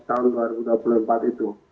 tahun dua ribu dua puluh empat itu